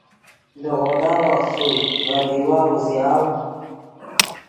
لیغودا وخت ݰوئے ڤے دیوا اوزیاؤ